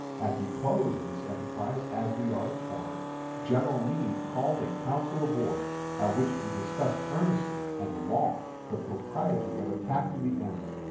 At the close of this enterprise, as we are informed, General Meade called a council of war, at which was discussed earnestly and long the propriety of attacking the enemy.